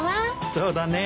そうだねえ。